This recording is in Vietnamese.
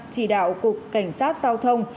chỉ đạo cục cảnh sát giao thông